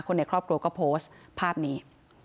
ในครอบครัวก็โพสต์ภาพนี้